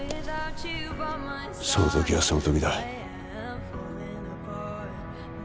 その時はその時だ